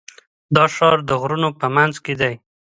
دا ښار د غرونو په منځ کې دی.